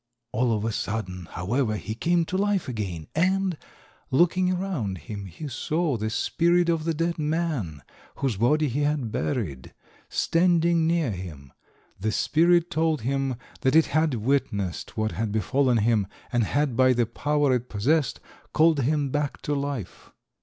All of a sudden, however, he came to life again, and, looking around him, he saw the spirit of the dead man, whose body he had buried, standing near him. The spirit told him that it had witnessed what had befallen him, and had by the power it possessed called him back to life.